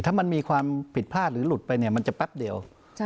ถ้ามันมีความผิดพลาดหรือหลุดไปเนี่ยมันจะแป๊บเดียว